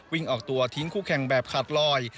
วิ่งออกตัวทิ้งคู่แข่งแบบขาดลอย